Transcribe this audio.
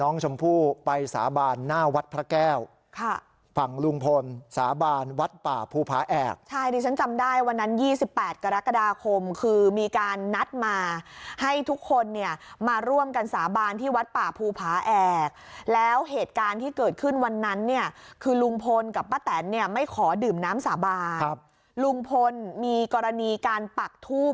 ไปสาบานหน้าวัดพระแก้วค่ะฝั่งลุงพลสาบานวัดป่าภูผาแอกใช่ดิฉันจำได้วันนั้น๒๘กรกฎาคมคือมีการนัดมาให้ทุกคนเนี่ยมาร่วมกันสาบานที่วัดป่าภูผาแอกแล้วเหตุการณ์ที่เกิดขึ้นวันนั้นเนี่ยคือลุงพลกับป้าแตนเนี่ยไม่ขอดื่มน้ำสาบานครับลุงพลมีกรณีการปักทูบ